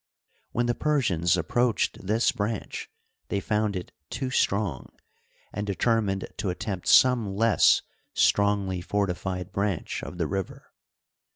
When the Persians approached this branch thev found it too strong, and determined to attempt some less strongly fortified branch of the river.